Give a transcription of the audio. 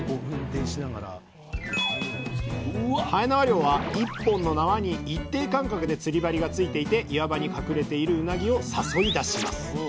はえなわ漁は一本の縄に一定間隔で釣り針がついていて岩場に隠れているうなぎを誘い出します。